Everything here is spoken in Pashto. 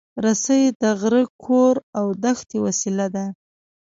رسۍ د غره، کور، او دښتې وسیله ده.